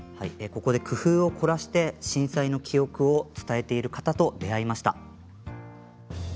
ここで工夫を凝らして震災の記憶を伝えている方と出会いました。